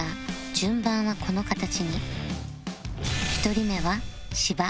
順番はこの形に